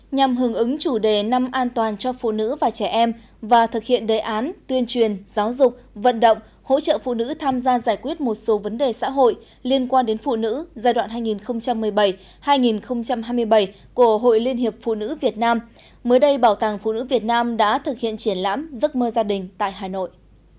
nhằm hứng ứng chủ đề năm an toàn cho phụ nữ và trẻ em và thực hiện đề án tuyên truyền giáo dục vận động hỗ trợ phụ nữ tham gia giải quyết một số vấn đề xã hội liên quan đến phụ nữ giai đoạn hai nghìn một mươi bảy hai nghìn hai mươi bảy của hội liên hiệp phụ nữ việt nam mới đây bảo tàng phụ nữ việt nam đã thực hiện triển lãm giấc mơ gia đình tại hà nội